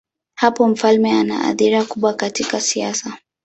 Hapo mfalme hana athira kubwa katika siasa.